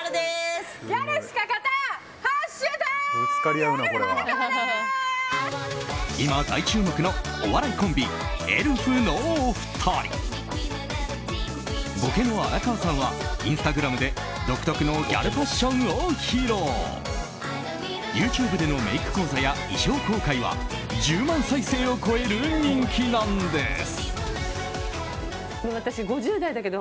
ＹｏｕＴｕｂｅでのメイク講座や衣装公開は１０万再生を超える人気なんです。